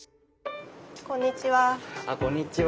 こんにちは。